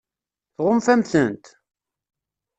Tɣunfam-tent?